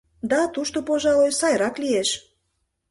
— Да, тушто, пожалуй, сайрак лиеш!